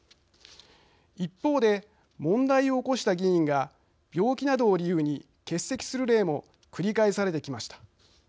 一方で、問題を起こした議員が病気などを理由に欠席する例も繰り返されてきました。